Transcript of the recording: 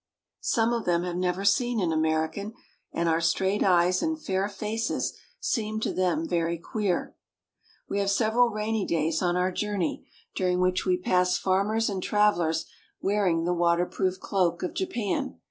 Some of them have never seen an American, and our straight eyes and fair faces seem to them very queer. We have several rainy days on our journey, dur ing which we pass farm ers and travelers wearing the waterproof cloak of Japan.